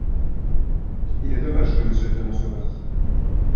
Il est dommage que Monsieur Ferrand soit parti.